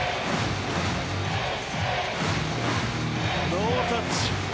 ノータッチ。